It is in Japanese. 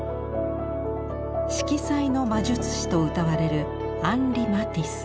「色彩の魔術師」とうたわれるアンリ・マティス。